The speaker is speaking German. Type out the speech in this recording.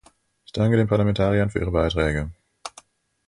Ich danke den Parlamentariern für Ihre Beiträge.